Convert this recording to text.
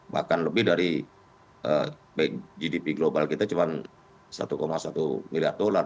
bahkan lebih dari gdp global kita cuma satu satu miliar dolar